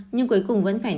nhưng cuối cùng vẫn phải ngủ